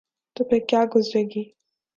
تو پھرکیا گزرے گی؟